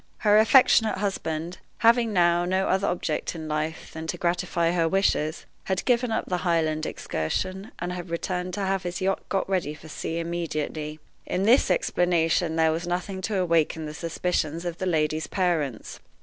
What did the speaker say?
Her affectionate husband, having now no other object in life than to gratify her wishes, had given up the Highland excursion, and had returned to have his yacht got ready for sea immediately. In this explanation there was nothing to awaken the suspicions of the lady's parents.